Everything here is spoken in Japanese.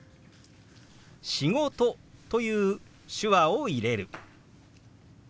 「仕事」という手話を入れる。